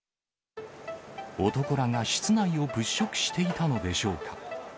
男らが室内を物色していたのでしょうか。